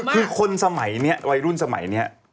คือคนสมัยนี้วัยรุ่นสมัยนี้